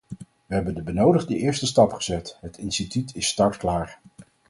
We hebben de benodigde eerste stap gezet, het instituut is startklaar.